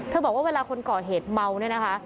เธอบอกว่าเวลาคนเกาะเหตุเมานี่นะคะ